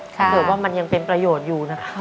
เผื่อว่ามันยังเป็นประโยชน์อยู่นะครับ